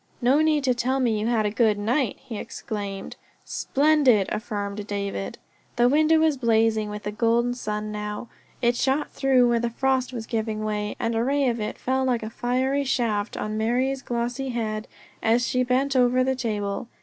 "No need to tell me you had a good night!" he exclaimed. "Splendid," affirmed David. The window was blazing with the golden sun now; it shot through where the frost was giving way, and a ray of it fell like a fiery shaft on Marie's glossy head as she bent over the table.